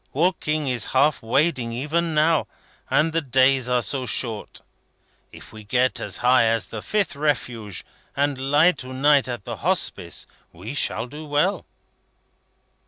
Walking is half wading even now. And the days are so short! If we get as high as the fifth Refuge, and lie to night at the Hospice, we shall do well."